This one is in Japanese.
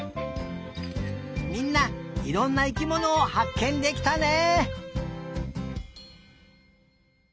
みんないろんな生きものをはっけんできたね！